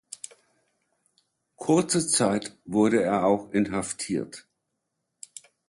Kurze Zeit wurde er auch inhaftiert.